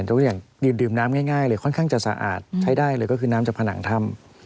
ทุกอย่างดื่มน้ำง่ายเลยค่อนข้างจะสะอาดใช้ได้เลยก็คือน้ำจากผนังถ้ำ